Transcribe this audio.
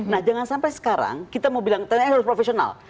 nah jangan sampai sekarang kita mau bilang tni harus profesional